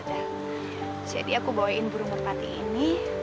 jadi aku bawain burung pati ini